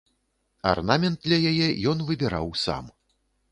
Арнамент для яе ён выбіраў сам.